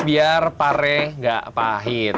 biar pare tidak pahit